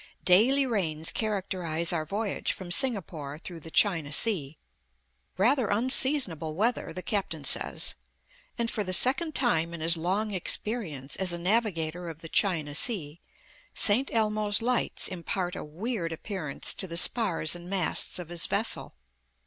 Daily rains characterize our voyage from Singapore through the China Sea rather unseasonable weather, the captain says; and for the second time in his long experience as a navigator of the China Sea, St. Elmo's lights impart a weird appearance to the spars and masts of his vessel.